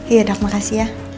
iya terima kasih ya